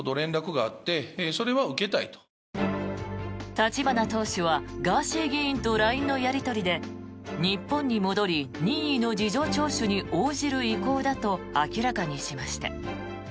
立花党首は、ガーシー議員とＬＩＮＥのやり取りで日本に戻り任意の事情聴取に応じる意向だと明らかにしました。